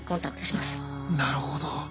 なるほど。